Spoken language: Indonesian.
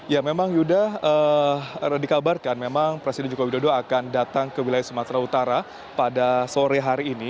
ya memang yuda dikabarkan memang presiden joko widodo akan datang ke wilayah sumatera utara pada sore hari ini